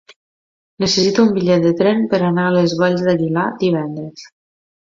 Necessito un bitllet de tren per anar a les Valls d'Aguilar divendres.